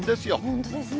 本当ですね。